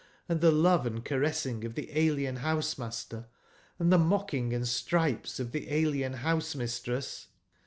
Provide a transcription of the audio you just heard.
&tbeloveand caress/ ing of tbe alien bouse/master, and tbe mocking and stripes of tbe alien bouse/mistress.